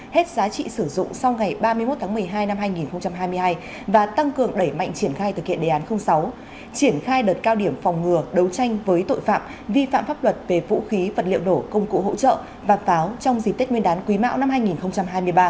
hết giá trị sử dụng sau ngày ba mươi một tháng một mươi hai năm hai nghìn hai mươi hai và tăng cường đẩy mạnh triển khai thực hiện đề án sáu triển khai đợt cao điểm phòng ngừa đấu tranh với tội phạm vi phạm pháp luật về vũ khí vật liệu nổ công cụ hỗ trợ và pháo trong dịp tết nguyên đán quý mạo năm hai nghìn hai mươi ba